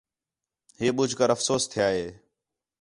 ہے ٻُجھ کر افسوس تھیا ہے